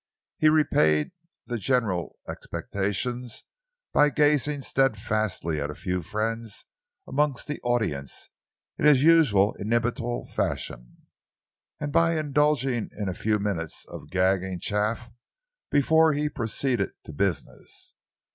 He repaid the general expectation by gazing steadfastly at a few friends amongst the audience in his usual inimitable fashion, and by indulging in a few minutes of gagging chaff before he proceeded to business.